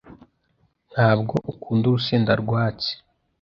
Ntabwo akunda urusenda rwatsi